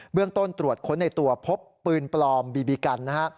เรื่องต้นตรวจค้นในตัวพบปืนปลอมบีบีกันนะฮะ